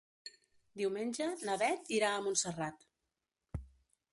Diumenge na Beth irà a Montserrat.